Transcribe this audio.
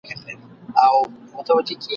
چي مو نه وینمه غم به مي په کور سي ..